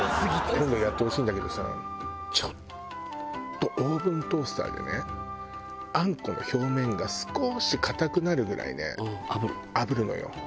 今度やってほしいんだけどさちょっとオーブントースターでねあんこの表面が少し硬くなるぐらいね炙るのよ。